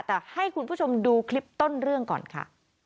แต่ให้คุณผู้ชมดูคลิปต้นเรื่องก่อนค่ะ